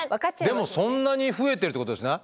でもそんなに増えてるってことですね。